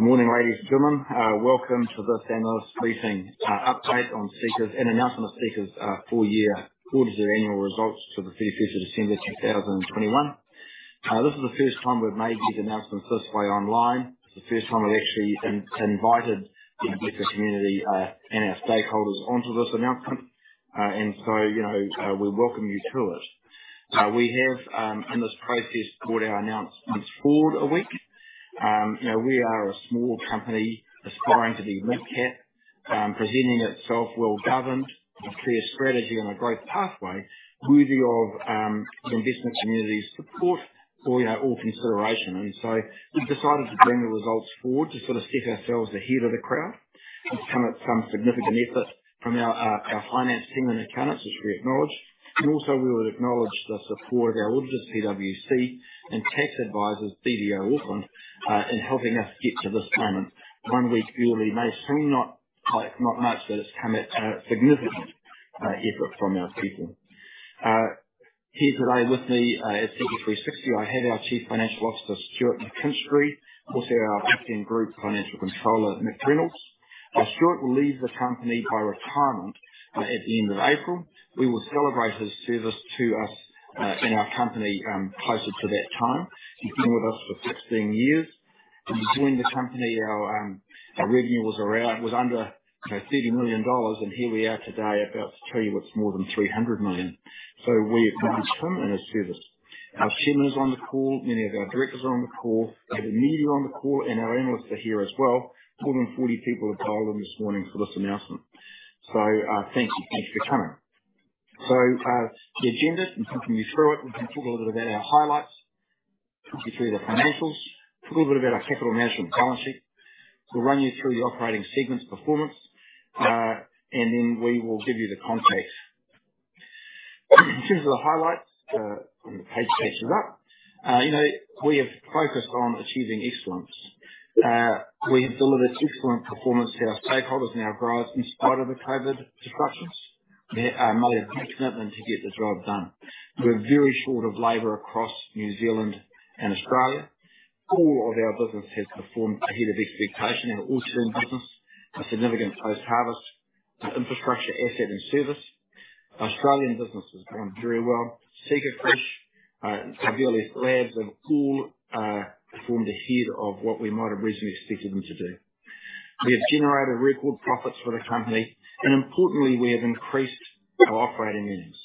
Good morning, ladies and gentlemen. Welcome to this analyst briefing, update on Seeka's, and announcement of Seeka's full year, full year annual results for the 31st of December, 2021. This is the first time we've made these announcements this way online. It's the first time we've actually invited the investor community and our stakeholders onto this announcement. You know, we welcome you to it. We have in this process brought our announcements forward a week. You know, we are a small company aspiring to be mid-cap, presenting itself well-governed, a clear strategy on a growth pathway worthy of the investment community's support or, you know, or consideration. We've decided to bring the results forward to sort of set ourselves ahead of the crowd. It's come at some significant effort from our finance team and accountants, which we acknowledge. Also we would acknowledge the support of our auditors, PwC, and tax advisors, BDO Auckland, in helping us get to this timing. One week early may seem not, like, not much, but it's come at a significant effort from our people. Here today with me at Seeka 360, I have our Chief Financial Officer, Stuart McKinstry, also our Acting Group Financial Controller, Nick Reynolds. Stuart will leave the company by retirement at the end of April. We will celebrate his service to us in our company closer to that time. He's been with us for 16 years. When he joined the company, our revenue was around, was under, you know, 30 million dollars, and here we are today about to tell you it's more than 300 million. We acknowledge him and his service. Our chairman is on the call. Many of our directors are on the call. We have the media on the call, and our analysts are here as well. More than 40 people have dialed in this morning for this announcement. Thank you. Thank you for coming. The agenda, gonna continue through it. We're gonna talk a little bit about our highlights, talk you through the financials, talk a little bit about our capital management and balance sheet. We'll run you through the operating segments performance, and then we will give you the context. In terms of the highlights, on the page that's up, you know, we have focused on achieving excellence. We have delivered excellent performance to our stakeholders and our drivers in spite of the COVID disruptions. They are motivated and committed to get this job done. We're very short of labor across New Zealand and Australia. All of our business has performed ahead of expectation. Our orchard business, a significant post-harvest infrastructure asset and service. Our Australian business has gone very well. SeekaFresh and Savio Labs have all performed ahead of what we might have reasonably expected them to do. We have generated record profits for the company, and importantly, we have increased our operating earnings.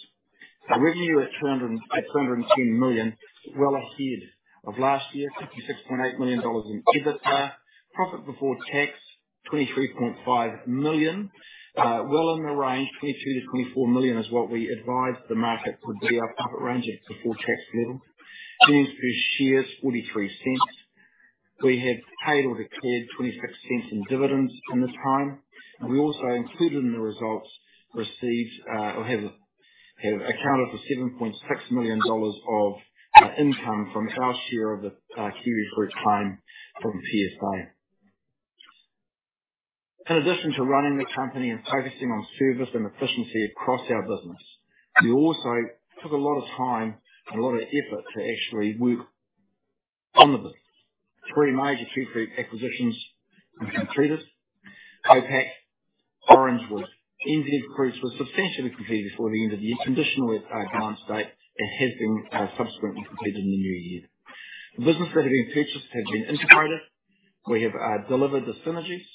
Our revenue at 210 million, well ahead of last year, NZD 66.8 million in EBITDA. Profit before tax, NZD 23.5 million, well in the range. 22 million-24 million is what we advised the market would be our profit range at the before tax level. Earnings per share is 0.43. We have paid or declared 0.26 in dividends from this time. We also included in the results received, or have accounted for 7.6 million dollars of income from our share of the kiwifruit claim from PSA. In addition to running the company and focusing on service and efficiency across our business, we also took a lot of time and a lot of effort to actually work on the business. Three major kiwifruit acquisitions have completed. OPAC, Orangewood, NZ Fruits was substantially completed before the end of the year. Completed at balance date, it has been subsequently completed in the new year. The businesses that have been purchased have been integrated. We have delivered the synergies,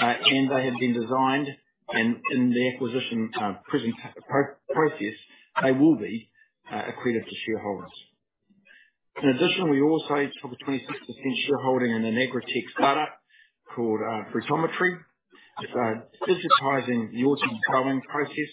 and they have been designed in the acquisition purchase process. They will be accretive to shareholders. In addition, we also took a 26% shareholding in an agritech startup called Fruitometry. It's digitizing the orchard farming process.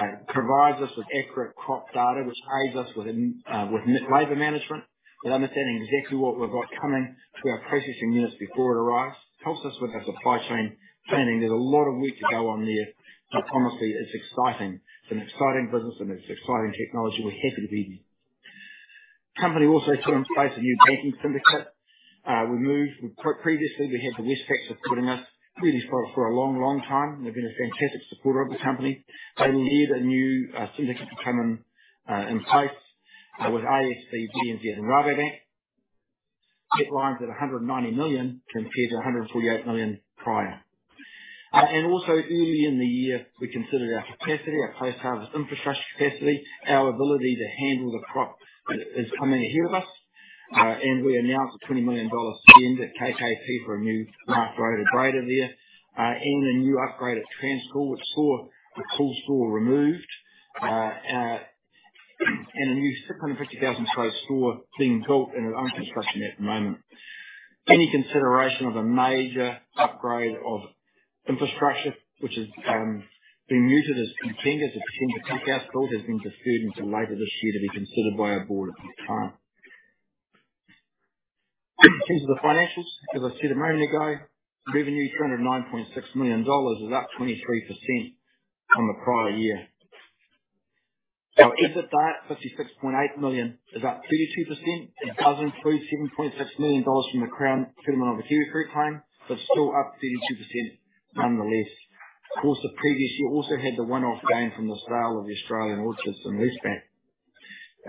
It provides us with accurate crop data, which aids us with labor management, with understanding exactly what we've got coming to our processing units before it arrives. Helps us with our supply chain planning. There's a lot of work to go on there, but honestly, it's exciting. It's an exciting business, and it's exciting technology. We're happy to be here. Company also put in place a new banking syndicate. We moved. We previously had Westpac supporting us. They really supported us for a long time. They've been a fantastic supporter of the company. They needed a new syndicate to come in place with ASB, BNZ, and Rabobank. Get lines at 190 million compared to 148 million prior. Early in the year, we considered our capacity, our post-harvest infrastructure capacity, our ability to handle the crop that is coming ahead of us. We announced a 20 million dollar spend at KKP for a new MAF Roda grader there. A new upgraded Transcool, which saw the cool store removed. A new 650,000 square store being built and is under construction at the moment. Any consideration of a major upgrade of infrastructure, which has been mooted as contenders at the tender packhouse build, has been deferred until later this year to be considered by our board at this time. In terms of the financials, as I said a moment ago, revenue 309.6 million dollars is up 23% from the prior year. Our EBITDA at 66.8 million is up 32%. It does include 7.6 million dollars from the Crown settlement of the kiwifruit claim, but still up 32% nonetheless. Of course, the previous year also had the one-off gain from the sale of the Australian orchards and leaseback.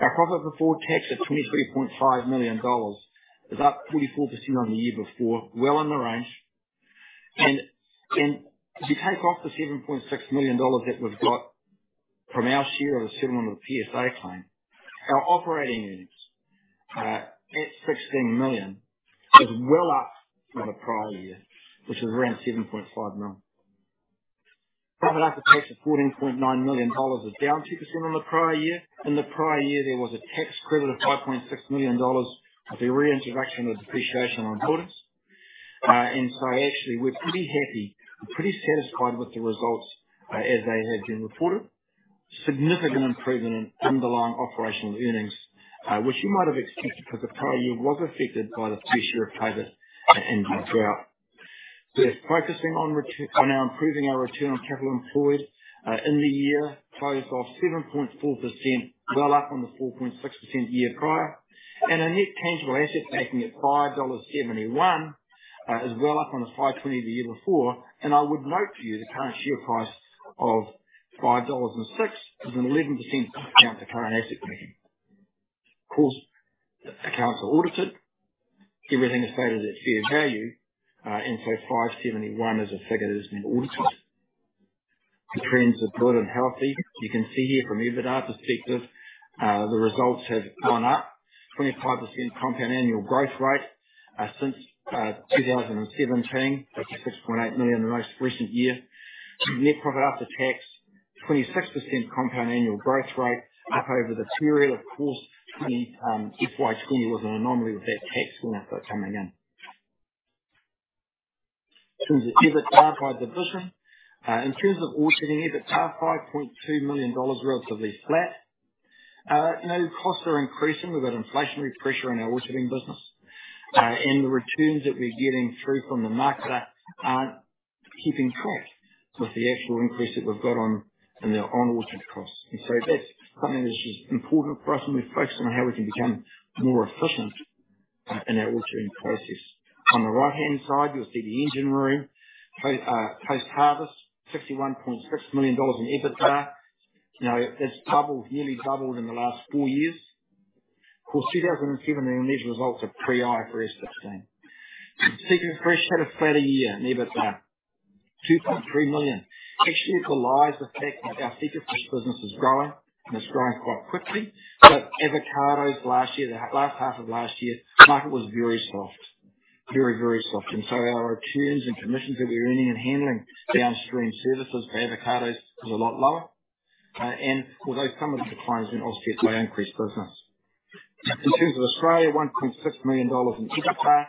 Our profit before tax of 23.5 million dollars is up 44% on the year before, well in the range. If you take off the 7.6 million dollars that we've got from our share of the settlement of PSA claim, our operating earnings at 16 million is well up from the prior year, which was around 7.5 million. Profit after tax of 14.9 million dollars is down 2% on the prior year. In the prior year, there was a tax credit of 5.6 million dollars with the reintroduction of depreciation on buildings. Actually, we're pretty happy, pretty satisfied with the results as they have been reported. Significant improvement in underlying operational earnings, which you might have expected because the prior year was affected by the first year of COVID and drought. We're focusing on now improving our return on capital employed in the year closed off 7.4%, well up on the 4.6% year prior. Our net tangible assets making it 5.71 is well up on the 5.20 the year before. I would note to you the current share price of 5.06 dollars is an 11% discount to current asset backing. Of course, the accounts are audited. Everything is valued at fair value. 571 is a figure that has been audited. The trends are good and healthy. You can see here from an EBITDA perspective, the results have gone up 25% compound annual growth rate since 2017. 66.8 million in the most recent year. Net profit after tax, 26% compound annual growth rate up over the period. Of course, FY 2020 was an anomaly with that tax benefit coming in. In terms of EBITDA by division, in terms of Orcharding, EBITDA, 5.2 million dollars, relatively flat. You know, costs are increasing. We've got inflationary pressure in our orcharding business. The returns that we're getting through from the market aren't keeping pace with the actual increase that we've got on in the on-orchard costs. That's something that's just important for us, and we're focusing on how we can become more efficient in our orcharding process. On the right-hand side, you'll see the engine room. Post-harvest, 61.6 million dollars in EBITDA. You know, it's doubled, nearly doubled in the last four years. Of course, 2017, these results are pre-IFRS 16. SeekaFresh had a flatter year in EBITDA, 2.3 million. Actually, it belies the fact that our SeekaFresh business is growing, and it's growing quite quickly. Avocados last year, the last half of last year, the market was very soft. Very, very soft. Our returns and commissions that we were earning and handling downstream services for avocados was a lot lower. Of course, those are some of the declines in offset by increased business. In terms of Australia, NZD 1.6 million in EBITDA.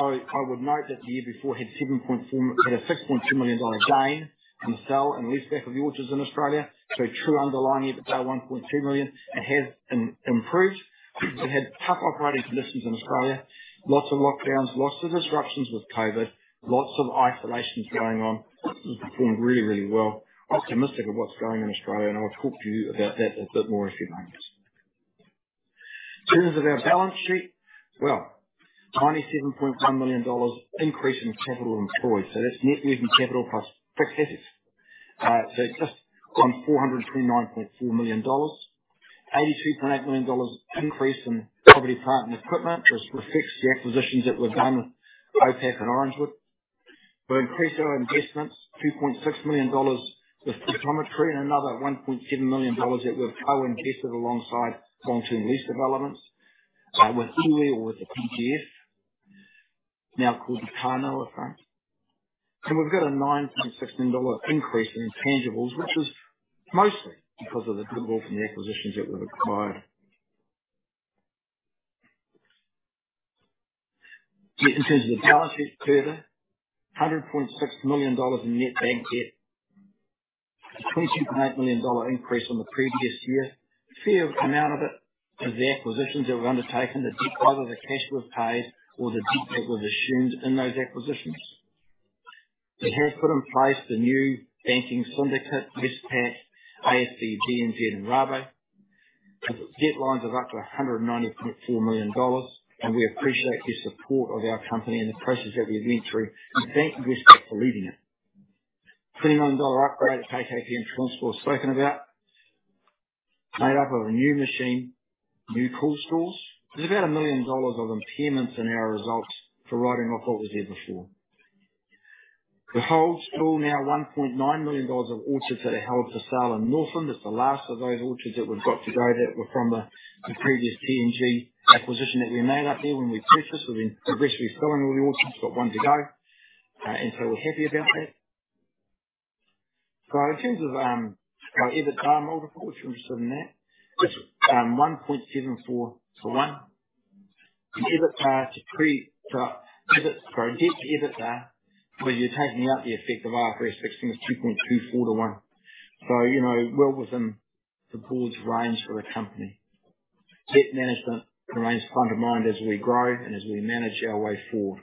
I would note that the year before had a NZD 6.2 million gain in the sale and leaseback of the orchards in Australia. True underlying EBITDA, 1.2 million. It has improved. It had tough operating conditions in Australia. Lots of lockdowns, lots of disruptions with COVID, lots of isolations going on. It's performed really, really well. I'm optimistic about what's going on in Australia, and I'll talk to you about that a bit more in a few moments. In terms of our balance sheet, well, 97.1 million dollars increase in capital employed. So that's net working capital plus fixed assets. So it's just on 429.4 million dollars. 82.8 million dollars increase in property, plant, and equipment, which reflects the acquisitions that we've done with OPAC and Orangewood. We increased our investments, 2.6 million dollars with Fruitometry and another 1.7 million dollars that we've co-invested alongside long-term lease developments, with iwi or with the PTS, now called Kanola Front. We've got a 9.16 dollar increase in intangibles, which is mostly because of the goodwill from the acquisitions that we've acquired. In terms of the balance sheet further, 100.6 million dollars in net bank debt. A 20.8 million dollar increase from the previous year. Fair amount of it is the acquisitions that we've undertaken, the debt, either the cash was paid or the debt that was assumed in those acquisitions. We have put in place the new banking syndicate, Westpac, ASB, BNZ, and Rabo. With debt lines of up to 190.4 million dollars, and we appreciate your support of our company and the process that we have been through. Thank you, Westpac, for leading it. NZD 20 million upgrade at KKP and Transcool we've spoken about. Made up of a new machine, new cool stores. There's about 1 million dollars of impairments in our results for writing off what was there before. We hold still now 1.9 million dollars of orchards that are held for sale in Northland. That's the last of those orchards that we've got to go that were from the previous T&G acquisition that we made up there when we purchased. We've been progressively selling all the orchards. Got one to go, and we're happy about that. In terms of our EBITDA multiple, if you're interested in that, 1.74-1. Debt to EBITDA, where you're taking out the effect of IFRS 16, is 2.24-1. You know, well within the board's range for the company. Debt management remains front of mind as we grow and as we manage our way forward.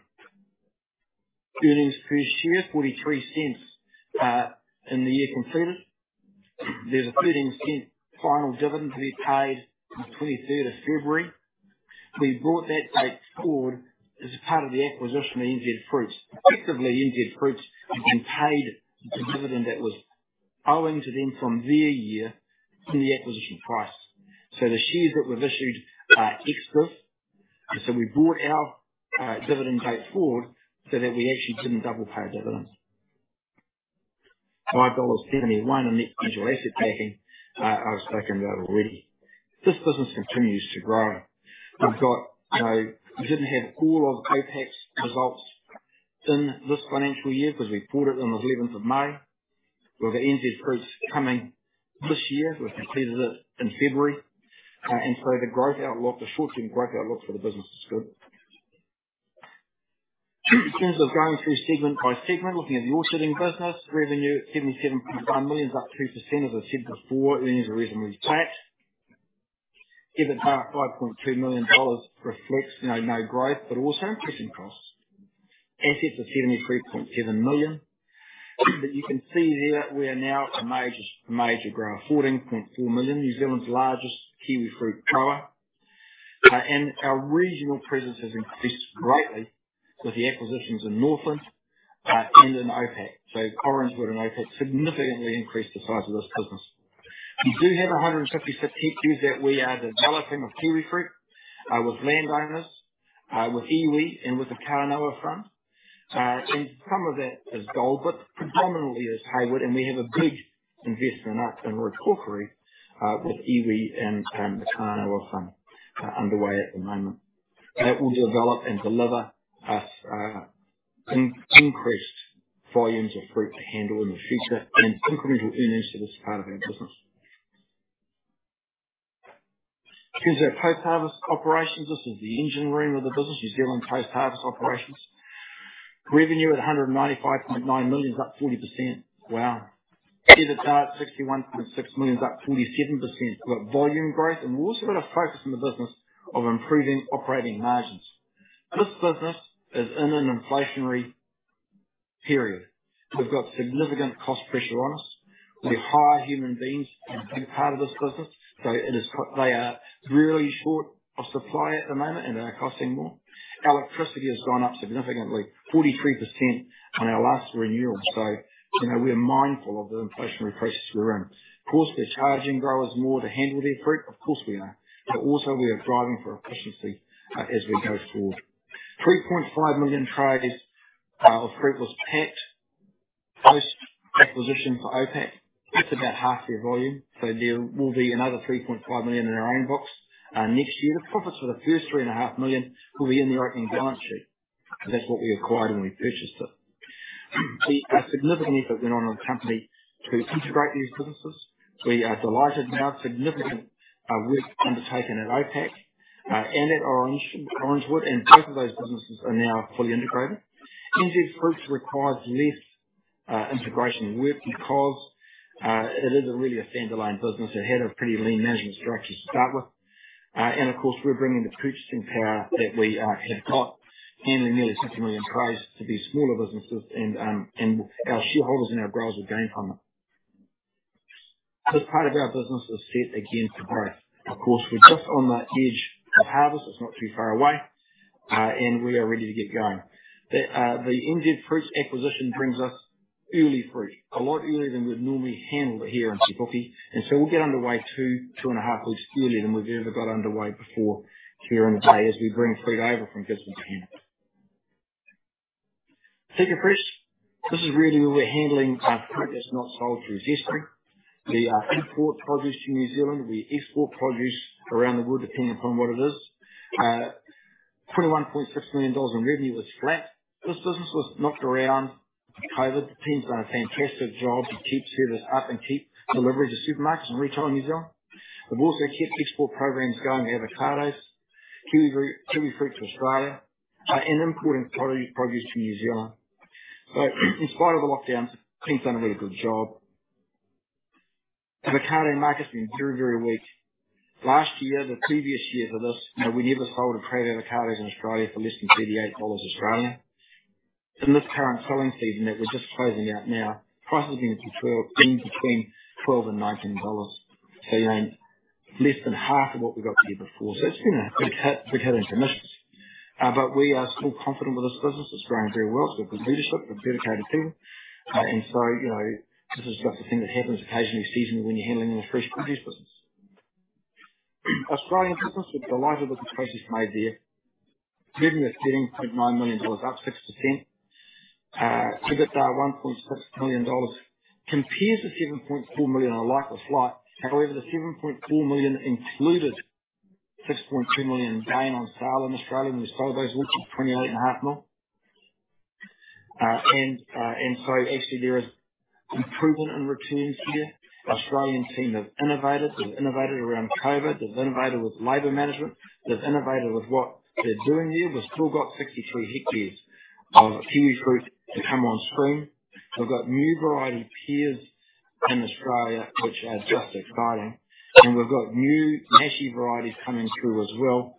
Earnings per share, 0.43, in the year completed. There's a 0.13 NZD final dividend to be paid on the 23rd of February. We brought that date forward as a part of the acquisition of NZ Fruits. Effectively, NZ Fruits have been paid the dividend that was owing to them from their year in the acquisition price. The shares that we've issued are excess, and we brought our dividend date forward so that we actually didn't double pay dividends. NZD 5.71 in net tangible asset backing, I've spoken about already. This business continues to grow. You know, we didn't have all of OPAC's results in this financial year because we bought it on the 11th of May. We've got NZ Fruits coming this year. We completed it in February. The growth outlook, the short-term growth outlook for the business is good. In terms of going through segment by segment, looking at the wholesaling business, revenue 77.1 million, up 2% as I said before, earnings are reasonably flat. EBITDA 5.2 million dollars reflects, you know, no growth, but also increasing costs. Assets are 73.7 million. But you can see there we are now a major grower, 14.4 million, New Zealand's largest kiwifruit grower. Our regional presence has increased greatly with the acquisitions in Northland, and in OPAC. Orangewood and OPAC significantly increased the size of this business. We do have 156 hectares that we are developing of kiwifruit, with landowners, with iwi and with the Kanola Front. Some of that is gold, but predominantly is Hayward, and we have a good investment in our talkery with iwi and the Kanola Front underway at the moment. That will develop and deliver us increased volumes of fruit to handle in the future and incremental earnings to this part of our business. In terms of post-harvest operations, this is the engine room of the business, New Zealand post-harvest operations. Revenue at 195.9 million, up 40%. Wow. EBITDA at 61.6 million, up 27%. We've got volume growth, and we've also got a focus on the business of improving operating margins. This business is in an inflationary period. We've got significant cost pressure on us. We hire human beings as a big part of this business, they are really short of supply at the moment, and they are costing more. Electricity has gone up significantly, 43% on our last renewal. You know, we are mindful of the inflationary pressures we're in. Of course, we're charging growers more to handle their fruit. Of course, we are. But also we are driving for efficiency as we go forward. 3.5 million trays of fruit was packed post-acquisition for OPAC. That's about half their volume, so there will be another 3.5 million in our own books next year. The profits for the first 3.5 million will be in the OPAC balance sheet. That's what we acquired when we purchased it. There's a significant effort went on in the company to integrate these businesses. We are delighted. We have significant work undertaken at OPAC and at Orangewood, and both of those businesses are now fully integrated. NZ Fruits requires less integration work because it is really a standalone business. It had a pretty lean management structure to start with. And of course, we're bringing the purchasing power that we have got. Handling nearly 60 million trays to these smaller businesses and our shareholders and our growers will gain from it. This part of our business is set again to grow. Of course, we're just on the edge of harvest. It's not too far away and we are ready to get going. The NZ Fruits acquisition brings us early fruit, a lot earlier than we'd normally handle it here in Te Puke. We'll get underway two and a half weeks earlier than we've ever got underway before here in Te Puke as we bring fruit over from Gisborne. SeekaFresh. This is really where we're handling fruit that's not sold through Zespri. We import produce to New Zealand. We export produce around the world, depending upon what it is. 21.6 million dollars in revenue was flat. This business was knocked around with COVID. The team's done a fantastic job to keep service up and keep deliveries to supermarkets and retail in New Zealand. We've also kept export programs going to avocados, kiwifruit to Australia, and importing produce from New Zealand. In spite of the lockdowns, the team's done a really good job. The avocado market has been very, very weak. Last year, the previous year to this, you know, we never sold a crate of avocados in Australia for less than 38 dollars. In this current selling season that we're just closing out now, prices have been between 12 and 19 dollars. You know, less than half of what we got before. It's been a big hit in commissions. We are still confident with this business. It's growing very well. It's got good leadership, got dedicated people. You know, this is the kind of thing that happens occasionally seasonally when you're handling a fresh produce business. Australian business, we're delighted with the progress made there. Revenue is NZD 13.9 million, up 6%. EBITDA 1.6 million dollars. Compared to 7.4 million, like for like. However, the 7.4 million included 6.2 million gain on sale in Australia when we sold those orchards, 28.5 million. Actually there is improvement in returns here. Australian team have innovated. They've innovated around COVID. They've innovated with labor management. They've innovated with what they're doing there. We've still got 63 hectares of kiwifruit to come on stream. We've got new variety pears in Australia, which are just exciting. We've got new meshy varieties coming through as well,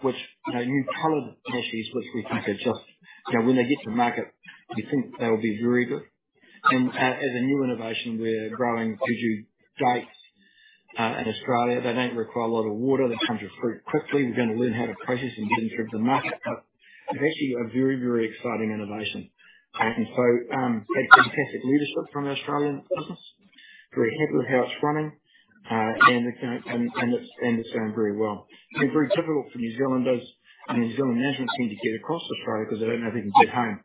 which, you know, new colored meshies, which we think are just, you know, when they get to market, we think they'll be very good. As a new innovation, we're growing Medjool dates in Australia. They don't require a lot of water. They come to fruit quickly. We're gonna learn how to process and get them through to market, but it's actually a very, very exciting innovation. We had fantastic leadership from the Australian business. Very happy with how it's running, and it's going very well. It's been very difficult for New Zealanders and the New Zealand management team to get across to Australia because they don't know if they can get home.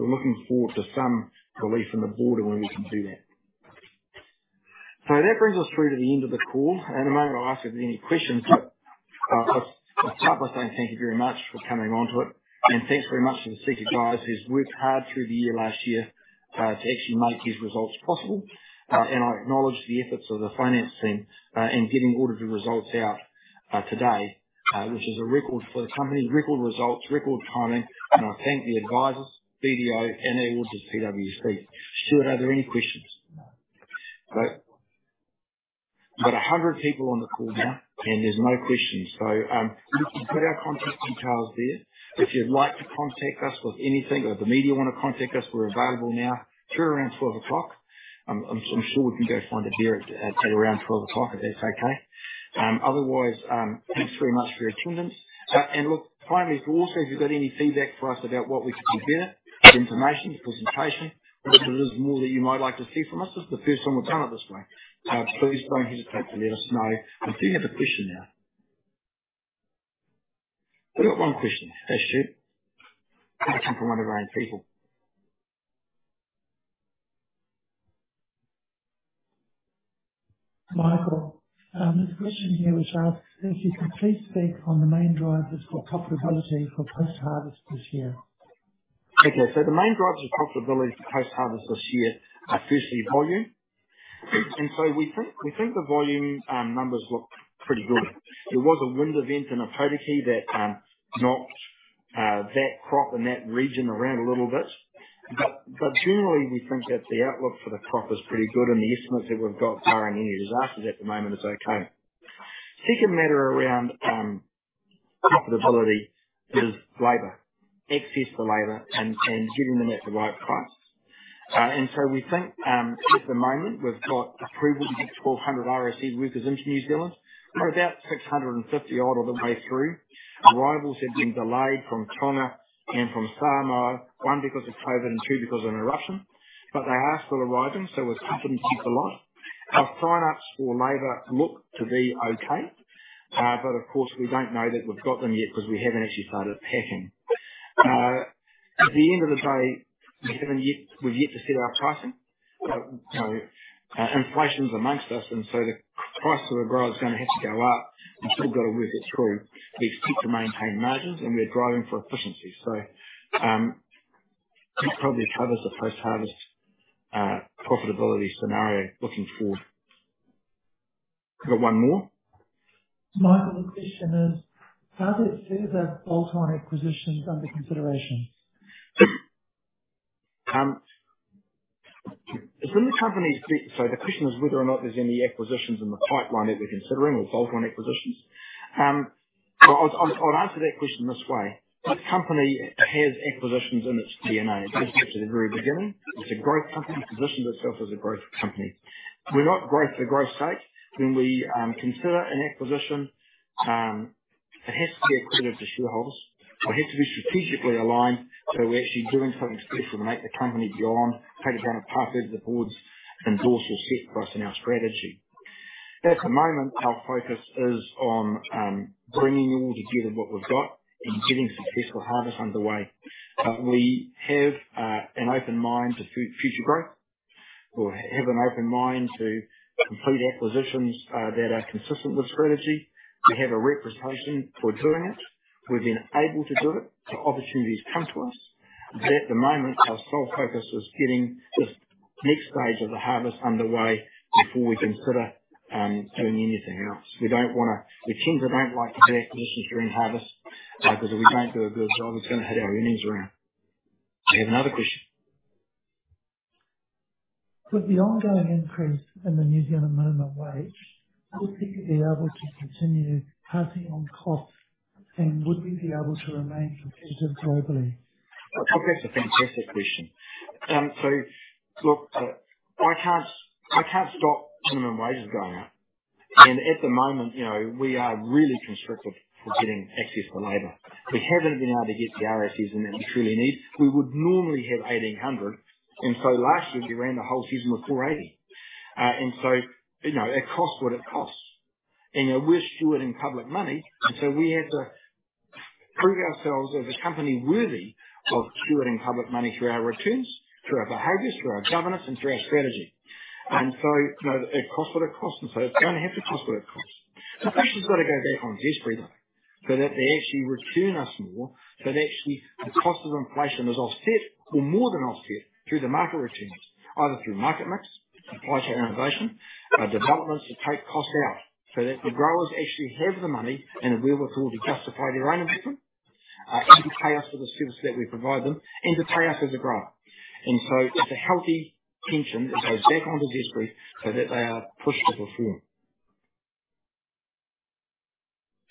We're looking forward to some relief in the border where we can do that. That brings us through to the end of the call. In a moment, I'll ask if there are any questions, but first, I'd like to say thank you very much for coming onto it. Thanks very much to the Seeka guys who's worked hard through the year last year to actually make these results possible. I acknowledge the efforts of the finance team in getting all of the results out today, which is a record for the company, record results, record timing. I thank the advisors, BDO, and their auditors, PwC. Stuart, are there any questions? Great. I've got 100 people on the call now, and there's no questions. We can put our contact details there. If you'd like to contact us with anything or if the media wanna contact us, we're available now through around 12 P.M. I'm sure we can go find a beer at around 12 P.M., if that's okay. Otherwise, thanks very much for your attendance. Look, finally, if you also, if you've got any feedback for us about what we could do better, the information, the presentation, if there is more that you might like to see from us, this is the first time we've done it this way. Please don't hesitate to let us know. I do have a question now. We got one question. Hey, Stuart. Can it come from one of our own people? Michael, this question here was asked, "If you could please speak on the main drivers for profitability for post-harvest this year." Okay. The main drivers for profitability for post-harvest this year are firstly volume. We think the volume numbers look pretty good. There was a wind event in Ōpōtiki that knocked that crop and that region around a little bit. But generally, we think that the outlook for the crop is pretty good, and the estimates that we've got barring any disasters at the moment is okay. Second matter around profitability is labor, access to labor and getting them at the right price. We think at the moment, we've got approval to get 1,200 RSE workers into New Zealand. We're about 650 odd all the way through. Arrivals have been delayed from Tonga and from Samoa, one, because of COVID, and two, because of an eruption. They are still arriving, so we're keeping fingers crossed. Our sign-ups for labor look to be okay. Of course, we don't know that we've got them yet because we haven't actually started packing. At the end of the day, we haven't yet, we've yet to set our pricing. You know, inflation's among us, and so the price for the grower is gonna have to go up. We've still got to work it through. We expect to maintain margins, and we are driving for efficiency. That probably covers the post-harvest profitability scenario looking forward. I've got one more. Michael, the question is, are there bolt-on acquisitions under consideration? The question is whether or not there's any acquisitions in the pipeline that we're considering or bolt-on acquisitions. I'll answer that question this way. The company has acquisitions in its DNA. It does go to the very beginning. It's a growth company. It positions itself as a growth company. We're not growth for growth's sake. When we consider an acquisition, it has to be accretive to shareholders. It has to be strategically aligned, so we're actually doing something special to make the company grow and take it down a path that the boards endorse or set for us in our strategy. At the moment, our focus is on bringing all together what we've got and getting successful harvest underway. We have an open mind to future growth. We have an open mind to complete acquisitions that are consistent with strategy. We have a reputation for doing it. We've been able to do it. Opportunities come to us. At the moment, our sole focus is getting this next stage of the harvest underway before we consider doing anything else. We tend not to like to do acquisitions during harvest because if we don't do a good job, it's gonna hit our earnings around. Do you have another question? With the ongoing increase in the New Zealand minimum wage, would you be able to continue passing on costs, and would you be able to remain competitive globally? Oh, that's a fantastic question. Look, I can't stop minimum wages going up. At the moment, you know, we are really constricted for getting access to labor. We haven't been able to get the RSEs in that we truly need. We would normally have 1,800. Last year, we ran the whole season with 480. You know, it costs what it costs. You know, we're stewarding public money, and so we have to prove ourselves as a company worthy of stewarding public money through our returns, through our behaviors, through our governance, and through our strategy. You know, it costs what it costs, and so it's going to have to cost what it costs. The pressure's got to go back onto Zespri so that they actually return us more, so that actually the cost of inflation is offset or more than offset through the market returns, either through market mix, supply chain innovation, developments to take costs out so that the growers actually have the money and the wherewithal to justify their own investment, and to pay us for the service that we provide them and to pay us as a grower. It's a healthy tension that goes back onto Zespri so that they are pushed to perform.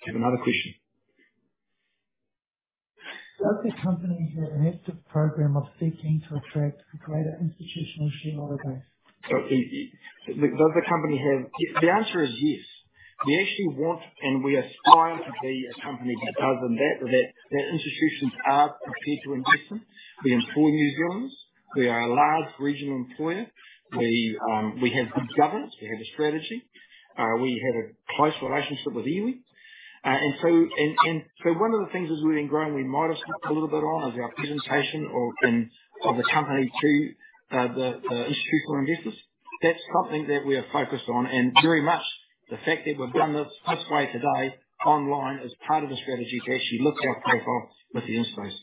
Do you have another question? Does this company have an active program of seeking to attract greater institutional shareholder base? The answer is yes. We actually want, and we aspire to be a company that does, and that institutions are prepared to invest in. We employ New Zealanders. We are a large regional employer. We have good governance. We have a strategy. We have a close relationship with iwi. One of the things as we've been growing, we might have skipped a little bit on, is our presentation of the company to the institutional investors. That's something that we are focused on. Very much the fact that we've done this way today, online, is part of the strategy to actually lift our profile with the institutions.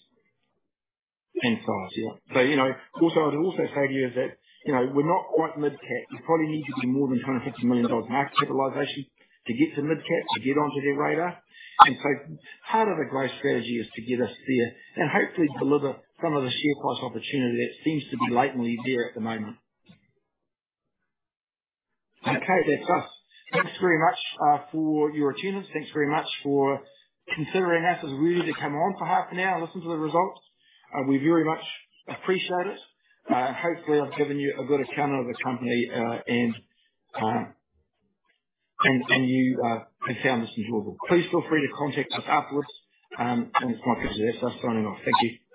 In size, yeah. You know, also, I'd say to you is that, you know, we're not quite mid-cap. You probably need to be more than 250 million dollars market capitalization to get to mid-cap, to get onto their radar. Part of the growth strategy is to get us there and hopefully deliver some of the share price opportunity that seems to be latently there at the moment. Okay. That's us. Thanks very much for your attendance. Thanks very much for considering us as worthy to come on for half an hour and listen to the results. We very much appreciate it. Hopefully, I've given you a good account of the company, and you have found this enjoyable. Please feel free to contact us afterwards. It's my pleasure. That's us signing off. Thank you.